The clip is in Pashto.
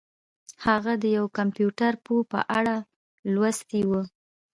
هغه د یو کمپیوټر پوه په اړه لوستي وو